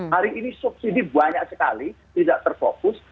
hari ini subsidi banyak sekali tidak terfokus